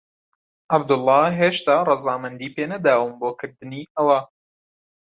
عەبدوڵڵا هێشتا ڕەزامەندیی پێ نەداوم بۆ کردنی ئەوە.